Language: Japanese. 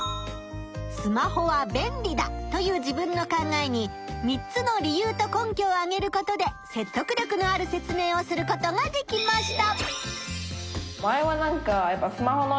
「スマホは便利だ」という自分の考えに３つの理由と根拠をあげることでせっとく力のある説明をすることができました。